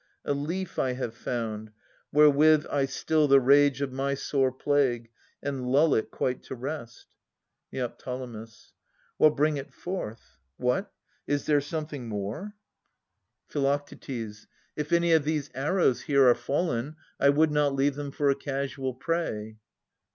a leaf I have found, wherewith I still the rage Of my sore plague, and lull it quite to rest. Neo. Well, bring it forth. — What ? Is there something more ? 290 Philodetes [652 680 Phi. If any of these arrows here are fallen, I would not leave them for a casual prey.